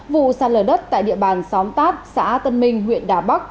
vụ sạt lở đất tại địa bàn xóm tát xã tân minh huyện đà bắc